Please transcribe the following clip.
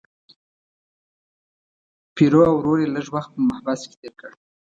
پیرو او ورور یې لږ وخت په محبس کې تیر کړ.